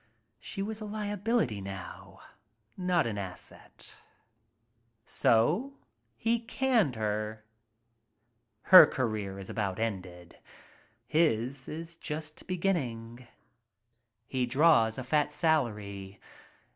She was a liability now, not an asset. So he canned her. Her career is about ended. His is just beginning. "He draws a fat salary.